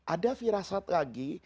ada firasat lagi